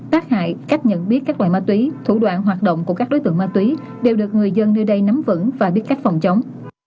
tác hại cách nhận biết các loại ma túy thủ đoạn hoạt động của các đối tượng ma túy đều được người dân nơi đây nắm vững và biết cách phòng chống